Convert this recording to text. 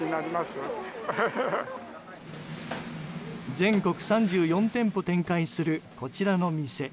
全国３４店舗展開するこちらの店。